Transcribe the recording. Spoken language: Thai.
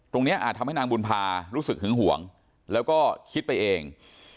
อาจทำให้นางบุญพารู้สึกหึงห่วงแล้วก็คิดไปเอง